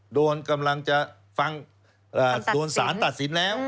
โดนกำลังจะฟังคำตัดสินโดนสารตัดสินแล้ว